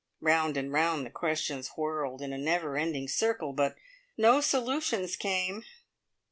Round and round the questions whirled in a never ending circle, but no solutions came.